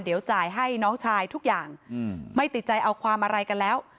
เดี๋ยวจ่ายให้น้องชายทุกอย่างไม่ติดใจเอาความอะไรกันแล้ว